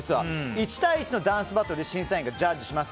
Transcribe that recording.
１対１のダンスバトルで審査員がジャッジします。